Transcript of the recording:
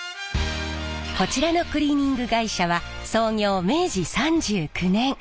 こちらのクリーニング会社は創業明治３９年。